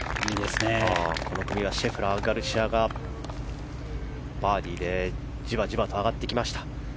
この組はシェフラー、ガルシアがバーディーでじわじわ上がってきました。